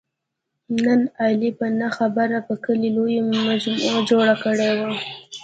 نن علي په نه خبره په کلي لویه مجمع جوړه کړې وه.